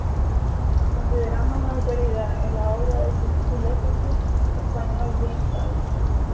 Considerado una autoridad en la obra del filósofo español Jaime Balmes.